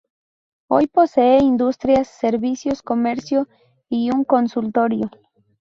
Hoy posee industrias, servicios, comercio y un consultorio.